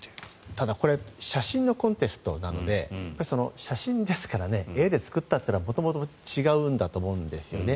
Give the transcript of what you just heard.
ただこれ写真のコンテストなので写真ですからね絵で作ったというのは元々、違うんだと思うんですよね。